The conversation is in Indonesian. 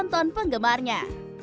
dan juga untuk penggemarnya